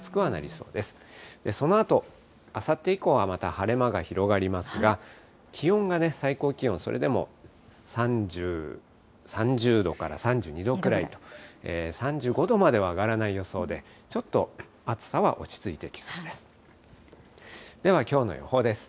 そのあと、あさって以降はまた晴れ間が広がりますが、気温が最高気温、それでも３０度から３２度くらいと、３５度までは上がらない予想で、ちょっと暑さは落ち着いてきそうです。